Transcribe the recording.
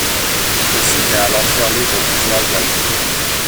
Le site est alors fermé pour plusieurs années.